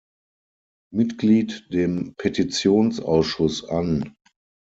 Mitglied dem Petitionsausschuss an.